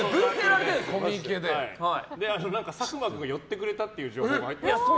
佐久間君、寄ってくれたっていう情報があって。